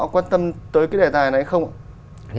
quan tâm tới cái đề tài này không ạ